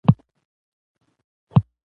زموږ کلچر چې پر ښځو مسلط دى،